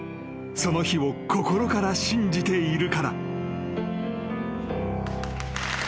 ［その日を心から信じているから］